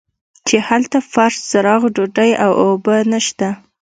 چې هلته فرش چراغ ډوډۍ او اوبه نشته.